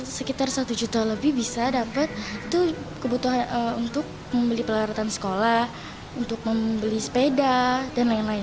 sekitar satu juta lebih bisa dapat kebutuhan untuk membeli pelarutan sekolah untuk membeli sepeda dan lain lain